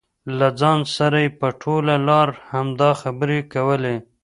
له ځان سره یې په ټوله لار همدا خبرې کولې.